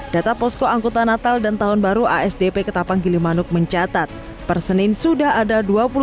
data posko angkutan natal dan tahun baru asdp ketapang gilimanuk mencatat persenin sudah ada